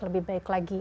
lebih baik lagi